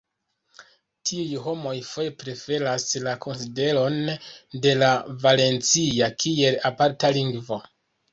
Tiuj homoj foje preferas la konsideron de la valencia kiel aparta lingvo.